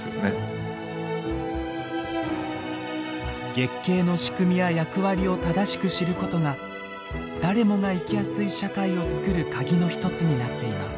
月経の仕組みや役割を正しく知ることが誰もが生きやすい社会を作る鍵の一つになっています。